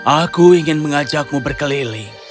aku ingin mengajakmu berkeliling